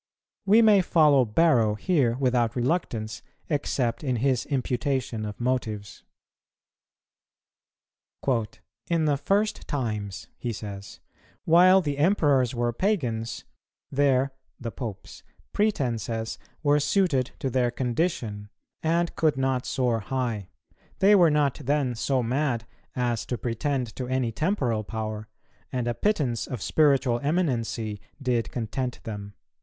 We may follow Barrow here without reluctance, except in his imputation of motives. "In the first times," he says, "while the Emperors were pagans, their [the Popes'] pretences were suited to their condition, and could not soar high; they were not then so mad as to pretend to any temporal power, and a pittance of spiritual eminency did content them."